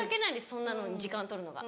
そんなのに時間とるのが。